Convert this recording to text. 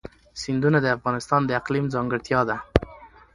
سیندونه د افغانستان د اقلیم ځانګړتیا ده.